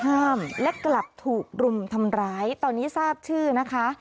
ห้ามและกลับถูกรุมทำร้ายตอนนี้ทราบชื่อนะคะ